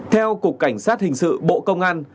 theo cục cảnh sát hình sự bộ công an